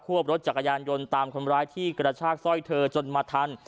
วบรถจักรยานยนต์ตามคนร้ายที่กระชากสร้อยเธอจนมาทัน